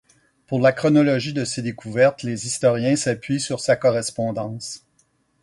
Pour la chronologie de ses découvertes les historiens s'appuient sur sa correspondance.